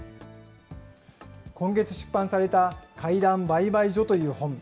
今月出版された、怪談売買所という本。